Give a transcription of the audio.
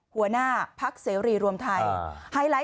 หัวหน้าพักเสรีรวมไทย